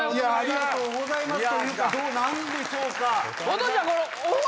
ありがとうございます！というか何でしょうか。